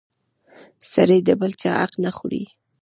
سړی د بل چا حق نه خوري!